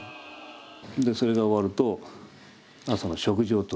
でそれが終わると朝の食事を取る。